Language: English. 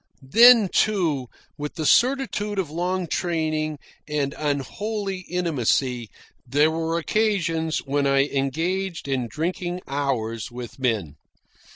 Then, too, with the certitude of long training and unholy intimacy, there were occasions when I engaged in drinking bouts with men.